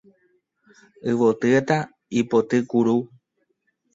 Yvotyeta ipotykuru